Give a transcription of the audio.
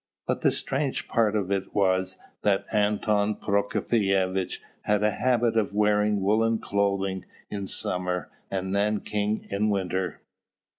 But the strange part of it was that Anton Prokofievitch had a habit of wearing woollen clothing in summer and nankeen in winter.